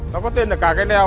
nó có tên là cà gai leo